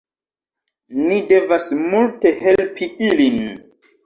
Ni devas multe helpi ilin